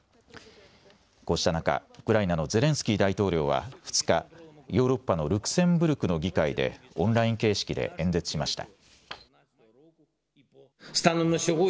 こうした中、ウクライナのゼレンスキー大統領は、２日、ヨーロッパのルクセンブルクの議会で、オンライン形式で演説しました。